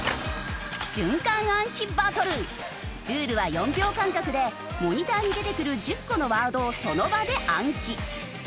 ルールは４秒間隔でモニターに出てくる１０個のワードをその場で暗記。